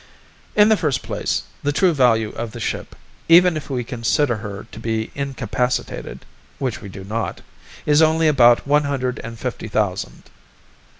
"In the first place, the true value of the ship, even if we consider her to be incapacitated which we do not is only about one hundred and fifty thousand."